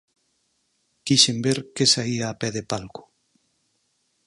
Quixen ver que saía a pé de palco.